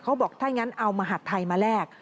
เขาบอกถ้างั้นเอามหาดไทยมาแลก